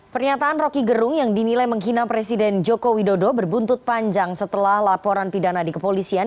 pernyataan roky gerung yang dinilai menghina presiden joko widodo berbuntut panjang setelah laporan pidana di kepolisian